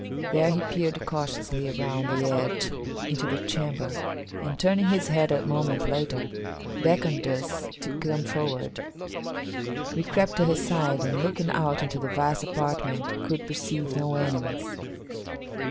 There he peered cautiously around the edge into the chamber, and, turning his head a moment later, beckoned us to come forward. We crept to his side, and, looking out into the vast apartment, could perceive no enemies.